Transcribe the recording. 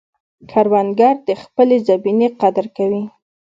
کروندګر د خپلې زمینې قدر کوي